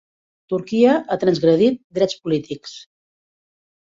Turquia ha transgredit drets polítics